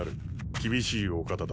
厳しいお方だ。